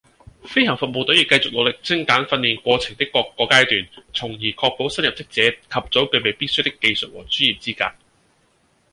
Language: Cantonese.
飛行服務隊亦繼續努力精簡訓練過程的各個階段，從而確保新入職者及早具備必需的技術和專業資格